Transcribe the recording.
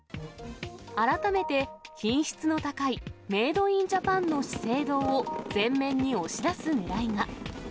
改めて品質の高いメード・イン・ジャパンの資生堂を前面に押し出すねらいが。